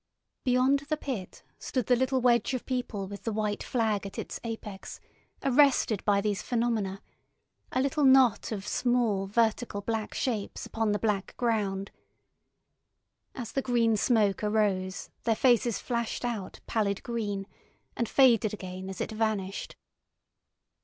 Beyond the pit stood the little wedge of people with the white flag at its apex, arrested by these phenomena, a little knot of small vertical black shapes upon the black ground. As the green smoke arose, their faces flashed out pallid green, and faded again as it vanished.